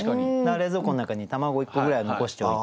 冷蔵庫の中に卵１個ぐらい残しておいて。